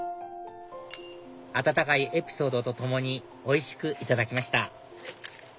温かいエピソードとともにおいしくいただきました